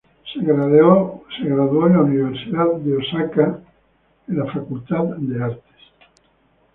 Se graduó en Universidad de Osaka de las Artes de la Facultad de Artes.